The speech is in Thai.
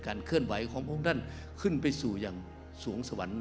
การเคลื่อนไหวของพวกนั้นขึ้นไปสู่อย่างสวงสวรรค์